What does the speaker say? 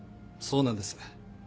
そうなんです。